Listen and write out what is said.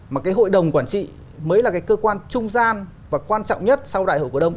mà cái hội đồng quản trị mới là cái cơ quan trung gian và quan trọng nhất sau đại hội cổ đông